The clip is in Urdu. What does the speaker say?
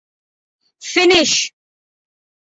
فینیش